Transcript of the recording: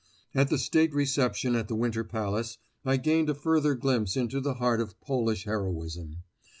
At the State Reception at the Winter Palace, I gained a further glimpse into the heart of Polish heroism.